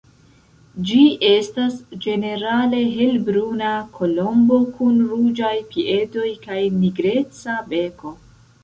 Ĝi estas ĝenerale helbruna kolombo kun ruĝaj piedoj kaj nigreca beko.